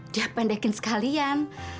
dia pendekin sekalian